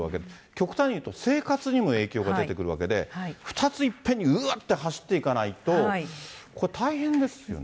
極端に言うと生活にも影響が出てくるわけで、２ついっぺんにうわって走っていかないとこれ、大変ですよね。